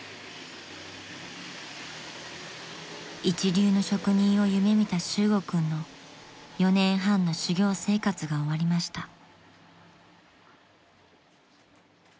［一流の職人を夢見た修悟君の４年半の修業生活が終わりました］